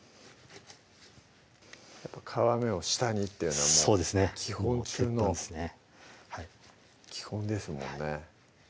皮目を下にっていうのはもうそうですね基本中の基本ですもんね